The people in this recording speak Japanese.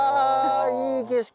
いい景色。